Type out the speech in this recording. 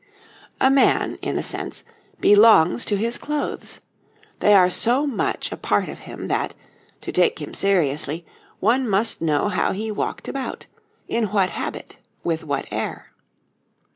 A man, in a sense, belongs to his clothes; they are so much a part of him that, to take him seriously, one must know how he walked about, in what habit, with what air.